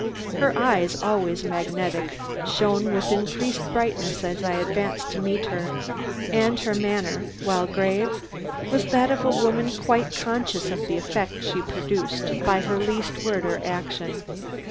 Her eyes, always magnetic, shone with increasing brightness as I advanced to meet her, and her manner, while grave, was that of a woman quite conscious of the effect she produced by her least word or action.